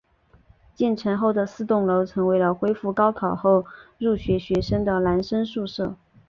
建成后的四栋楼成为了恢复高考后入学学生的男生宿舍。